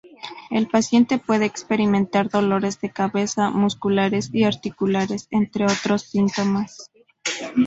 El paciente puede experimentar dolores de cabeza, musculares y articulares, entre otros síntomas.